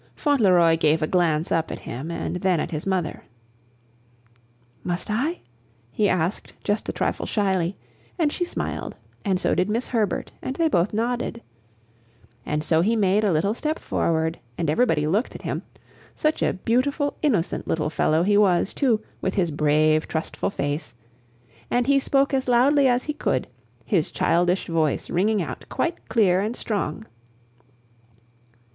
Fauntleroy gave a glance up at him and then at his mother. "Must I?" he asked just a trifle shyly, and she smiled, and so did Miss Herbert, and they both nodded. And so he made a little step forward, and everybody looked at him such a beautiful, innocent little fellow he was, too, with his brave, trustful face! and he spoke as loudly as he could, his childish voice ringing out quite clear and strong.